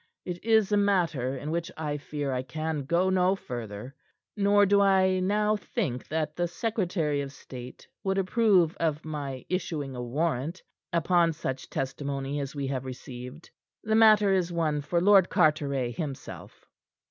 It is a matter in which I fear I can go no further; nor do I now think that the secretary of state would approve of my issuing a warrant upon such testimony as we have received. The matter is one for Lord Carteret himself."